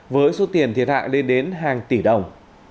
với số tiền thiệt hại lên đến hàng tỷ đồng